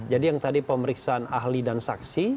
jadi yang tadi pemeriksaan ahli dan saksi